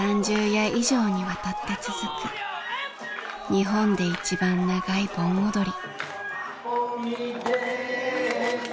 日本で一番長い盆踊り。